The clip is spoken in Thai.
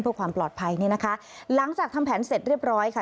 เพื่อความปลอดภัยนี่นะคะหลังจากทำแผนเสร็จเรียบร้อยค่ะ